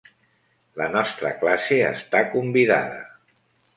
La nostra classe està convidada.